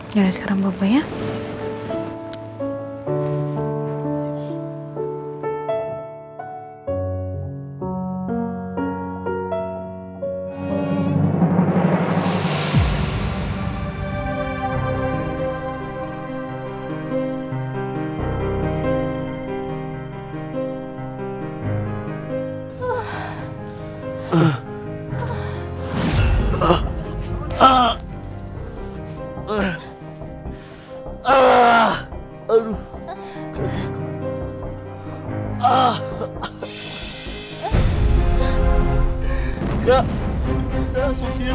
yaudah sekarang papa ya